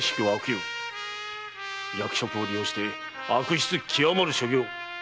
役職を利用して悪質極まる所業。